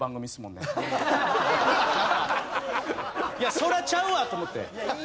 いやそりゃちゃうわと思って。